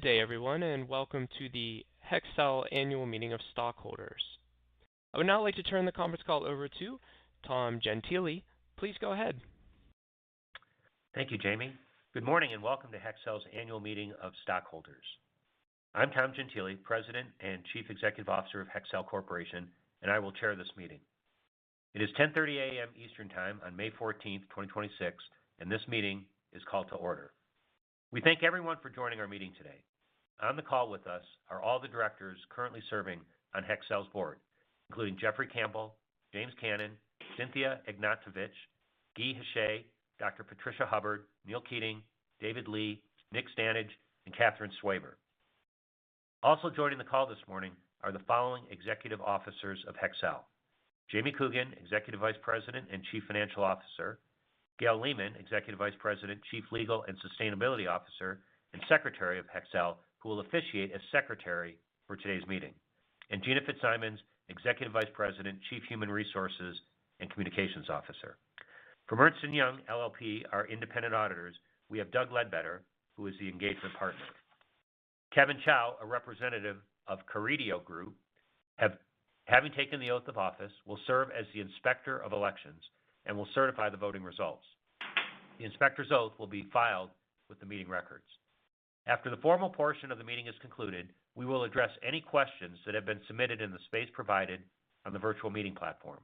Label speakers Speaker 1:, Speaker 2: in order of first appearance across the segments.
Speaker 1: Good day, everyone, and welcome to the Hexcel annual meeting of stockholders. I would now like to turn the conference call over to Tom Gentile. Please go ahead.
Speaker 2: Thank you, Jamie. Good morning, and welcome to Hexcel's Annual Meeting of Stockholders. I'm Tom Gentile, President and Chief Executive Officer of Hexcel Corporation, and I will chair this meeting. It is 10:30 A.M. Eastern Time on May 14, 2026, and this meeting is called to order. We thank everyone for joining our meeting today. On the call with us are all the directors currently serving on Hexcel's board, including Jeffrey Campbell, James Cannon, Cynthia Egnotovich, Guy Hachey, Dr. Patricia Hubbard, Neal J. Keating, David H. Li, Nick L. Stanage, and Catherine A. Suever. Also joining the call this morning are the following executive officers of Hexcel: James Coogan, Executive Vice President and Chief Financial Officer. Gail Lehman, Executive Vice President, Chief Legal and Sustainability Officer, and Secretary of Hexcel, who will officiate as Secretary for today's meeting and Gina Fitzsimons, Executive Vice President, Chief Human Resources and Communications Officer. From Ernst & Young LLP, our independent auditors, we have Doug Leadbetter, who is the engagement partner. Kevin Chow, a representative of Carideo Group, having taken the oath of office, will serve as the Inspector of Elections and will certify the voting results. The Inspector's oath will be filed with the meeting records. After the formal portion of the meeting is concluded, we will address any questions that have been submitted in the space provided on the virtual meeting platform.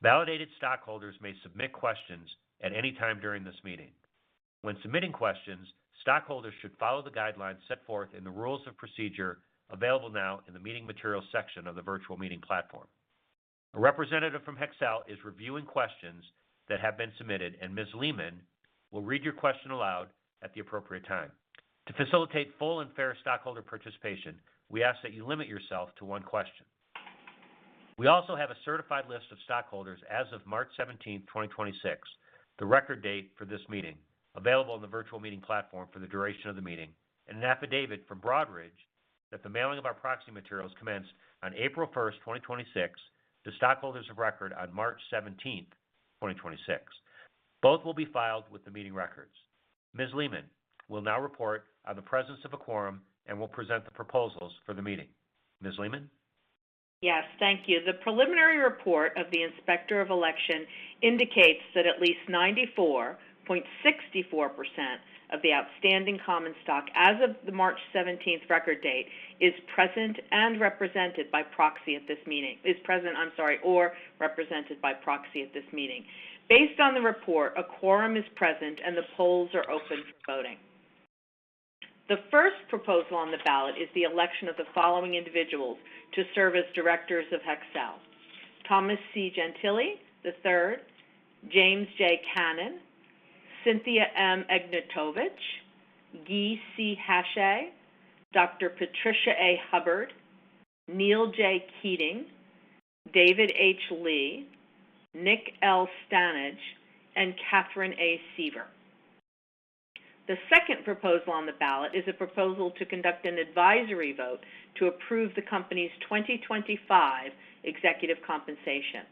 Speaker 2: Validated stockholders may submit questions at any time during this meeting. When submitting questions, stockholders should follow the guidelines set forth in the rules of procedure available now in the Meeting Materials section of the virtual meeting platform. A representative from Hexcel is reviewing questions that have been submitted, and Ms. Lehman will read your question aloud at the appropriate time. To facilitate full and fair stockholder participation, we ask that you limit yourself to one question. We also have a certified list of stockholders as of March 17, 2026, the record date for this meeting, available on the virtual meeting platform for the duration of the meeting, and an affidavit from Broadridge that the mailing of our proxy materials commenced on April 1, 2026 to stockholders of record on March 17, 2026. Both will be filed with the meeting records. Ms. Lehman will now report on the presence of a quorum and will present the proposals for the meeting. Ms. Lehman?
Speaker 3: Yes, thank you. The preliminary report of the Inspector of Election indicates that at least 94.64% of the outstanding common stock as of the March 17th record date is present or represented by proxy at this meeting. Based on the report, a quorum is present, and the polls are open for voting. The first proposal on the ballot is the election of the following individuals to serve as directors of Hexcel: Thomas C. Gentile III, James J. Cannon, Cynthia M. Egnotovich, Guy C. Hachey, Dr. Patricia A. Hubbard, Neal J. Keating, David H. Li, Nick L. Stanage, and Catherine A. Suever. The second proposal on the ballot is a proposal to conduct an advisory vote to approve the company's 2025 executive compensation.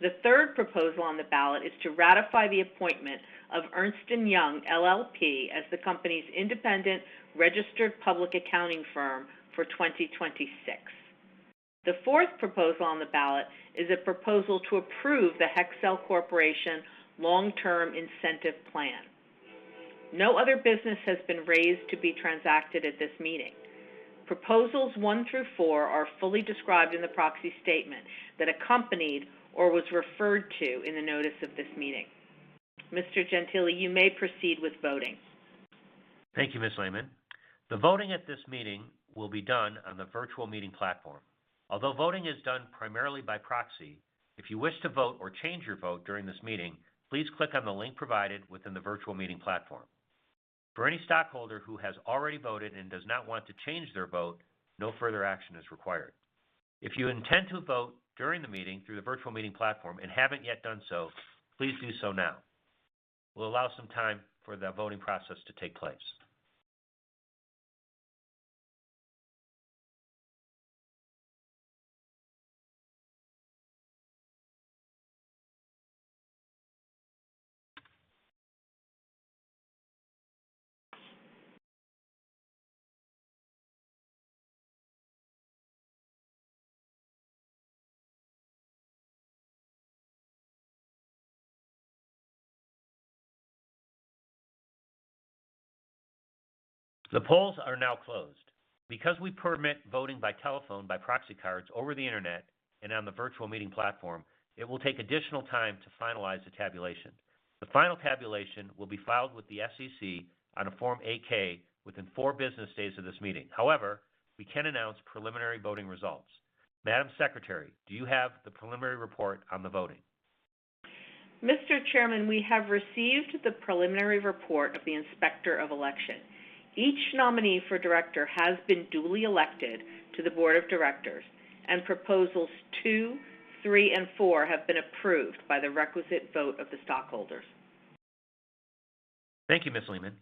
Speaker 3: The third proposal on the ballot is to ratify the appointment of Ernst & Young LLP as the company's independent registered public accounting firm for 2026. The fourth proposal on the ballot is a proposal to approve the Hexcel Corporation Long-Term Incentive Plan. No other business has been raised to be transacted at this meeting. Proposals one through four are fully described in the proxy statement that accompanied or was referred to in the notice of this meeting. Mr. Gentile, you may proceed with voting.
Speaker 2: Thank you, Ms. Lehman. The voting at this meeting will be done on the virtual meeting platform. Although voting is done primarily by proxy, if you wish to vote or change your vote during this meeting, please click on the link provided within the virtual meeting platform. For any stockholder who has already voted and does not want to change their vote, no further action is required. If you intend to vote during the meeting through the virtual meeting platform and haven't yet done so, please do so now. We'll allow some time for the voting process to take place. The polls are now closed. We permit voting by telephone, by proxy cards over the Internet, and on the virtual meeting platform, it will take additional time to finalize the tabulation. The final tabulation will be filed with the SEC on a Form 8-K within four business days of this meeting. However, we can announce preliminary voting results. Madam Secretary, do you have the preliminary report on the voting?
Speaker 3: Mr. Chairman, we have received the preliminary report of the Inspector of Election. Each nominee for director has been duly elected to the board of directors, proposals 2, three, and four have been approved by the requisite vote of the stockholders.
Speaker 2: Thank you, Ms. Lehman.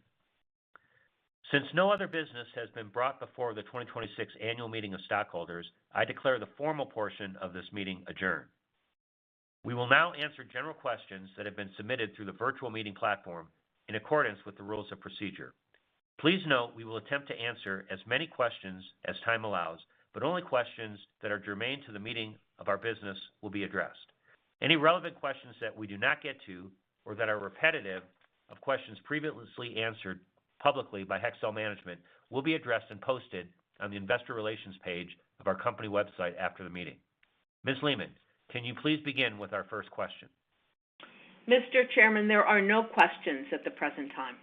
Speaker 2: Since no other business has been brought before the 2026 Annual Meeting of Stockholders, I declare the formal portion of this meeting adjourned. We will now answer general questions that have been submitted through the virtual meeting platform in accordance with the rules of procedure. Please note we will attempt to answer as many questions as time allows, but only questions that are germane to the meeting of our business will be addressed. Any relevant questions that we do not get to or that are repetitive of questions previously answered publicly by Hexcel management will be addressed and posted on the investor relations page of our company website after the meeting. Ms. Lehman, can you please begin with our first question?
Speaker 3: Mr. Chairman, there are no questions at the present time.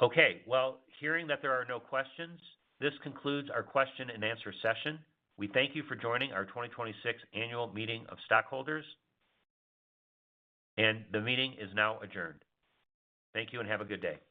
Speaker 2: Okay. Well, hearing that there are no questions, this concludes our question and answer session. We thank you for joining our 2026 Annual Meeting of Stockholders. The meeting is now adjourned. Thank you. Have a good day.